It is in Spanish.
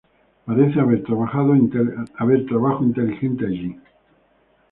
Parece haber trabajo inteligente allí.